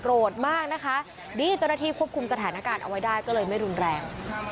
มากนะคะนี่เจ้าหน้าที่ควบคุมสถานการณ์เอาไว้ได้ก็เลยไม่รุนแรง